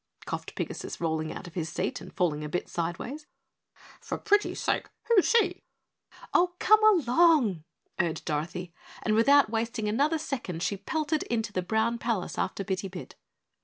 coughed Pigasus, rolling out of his seat and falling a bit sideways. "For pretty sake, who's she?" "Oh, come along!" urged Dorothy, and without wasting another second she pelted into the brown palace after Bitty Bit.